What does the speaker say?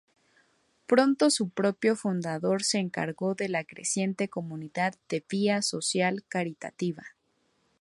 Pronto su propio fundador se encargó de la creciente Comunidad de via social-caritativa.